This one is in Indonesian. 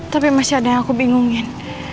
tapi masih ada yang aku bingungin